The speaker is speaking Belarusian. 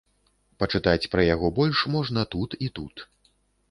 Пачытаць пра яго больш можна тут і тут.